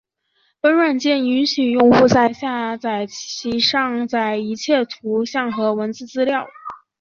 本软件允许用户在下载其上载的一切图像和文字资料。